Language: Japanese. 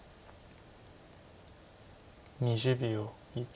２０秒。